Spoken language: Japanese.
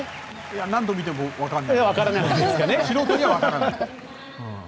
何度見ても素人には分からない。